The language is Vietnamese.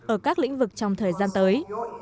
ở các lĩnh vực trong thời gian tới